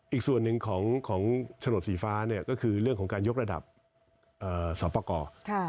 อีกส่วนหนึ่งของโฉนดสีฟ้าก็คือเรื่องของการยกระดับเสาปกร